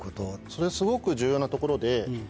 それはすごく重要なところで。